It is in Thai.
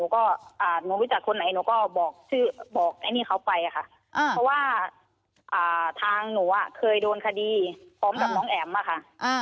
ก็หนูวิจัยคนไหนหนูก็บอกให้เขาไปค่ะเพราะว่าทางหนูอะเคยโดนคดีพร้อมกับน้องแอ๋มอะค่ะ